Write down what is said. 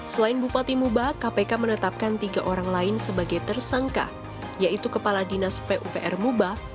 selain bupati mubah kpk menetapkan tiga orang lain sebagai tersangka yaitu kepala dinas pupr muba